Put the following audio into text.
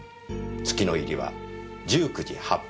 月の入りは１９時８分。